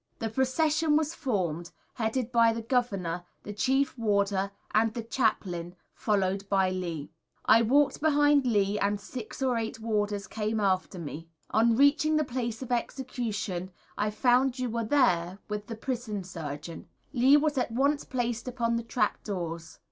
The procession was formed, headed by the Governor, the Chief Warder, and the Chaplain followed by Lee. I walked behind Lee and 6 or 8 warders came after me. On reaching the place of execution I found you were there with the Prison Surgeon. Lee was at once placed upon the trap doors.